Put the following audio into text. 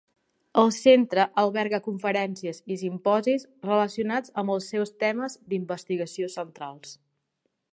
El centre alberga conferències i simposis relacionats amb els seus temes d'investigació centrals.